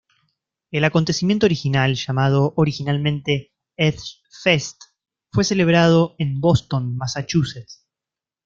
El acontecimiento original, llamado originalmente Edge Fest, fue celebrado en Boston, Massachusetts.